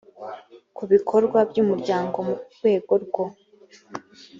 ku bikorwa by umuryango mu rwego rwo